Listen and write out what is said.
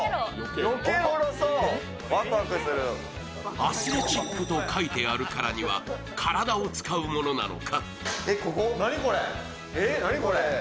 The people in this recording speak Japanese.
アスレチックと書いてあるからには体を使い物なのか？